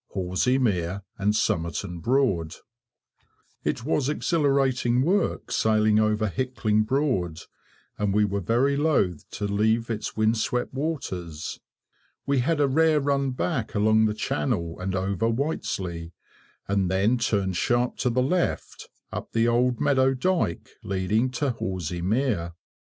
HORSEY MERE AND SOMERTON BROAD. [Picture: Decorative drop capital] It was exhilarating work sailing over Hickling Broad, and we were very loth to leave its wind swept waters. We had a rare run back along the channel, and over Whiteslea, and then turned sharp to the left, up the Old Meadow dyke leading to Horsey Mere.